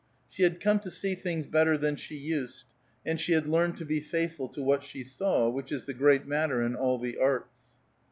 She had come to see things better than she used, and she had learned to be faithful to what she saw, which is the great matter in all the arts.